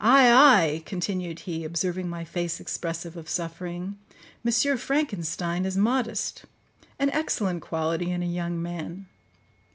—Ay, ay," continued he, observing my face expressive of suffering, "M. Frankenstein is modest; an excellent quality in a young man.